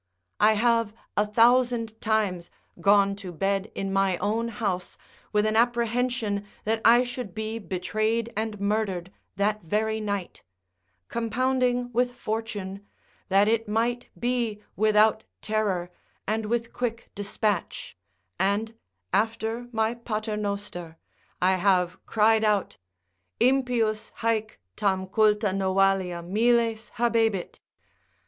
I have a thousand times gone to bed in my own house with an apprehension that I should be betrayed and murdered that very night; compounding with fortune, that it might be without terror and with quick despatch; and, after my Paternoster, I have cried out, "Impius haec tam culta novalia miles habebit!"